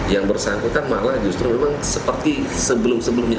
yang bersangkutan malah justru memang seperti sebelum sebelumnya